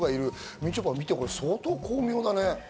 みちょぱ、これ見て、相当巧妙だね。